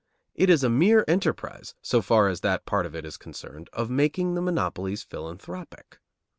It is a mere enterprise, so far as that part of it is concerned, of making the monopolies philanthropic.